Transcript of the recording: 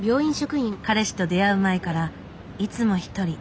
彼氏と出会う前からいつも一人